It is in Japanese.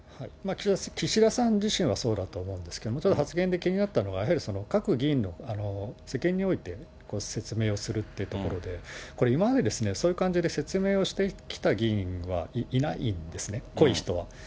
岸田さん自身はそうだと思うんですけど、ただ発言で気になったのは、やはり各議員の責任において説明をするってところで、これ、今までそういう感じで説明をしてきた議員はいないんですね、濃い人は。